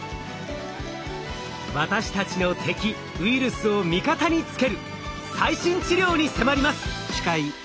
私たちの敵ウイルスを味方につける最新治療に迫ります！